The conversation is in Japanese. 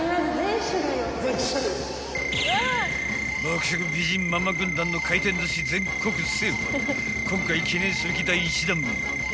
［爆食美人ママ軍団の回転寿司全国制覇今回記念すべき第１弾］